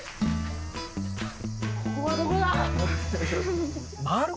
ここはどこだ？